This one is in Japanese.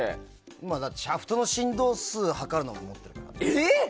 だってシャフトの振動数はかるのも持ってるからね。